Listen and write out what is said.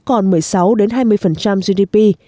còn một mươi sáu hai mươi gdp